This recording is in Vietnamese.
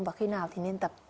và khi nào thì nên tập